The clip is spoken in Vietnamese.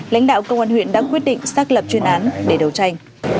lãnh đạo công an huyện đã quyết định xác lập chuyên án để đấu tranh